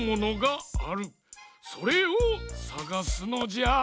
それをさがすのじゃ。